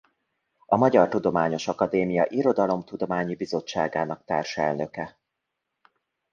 A Magyar Tudományos Akadémia Irodalomtudományi Bizottságának társelnöke.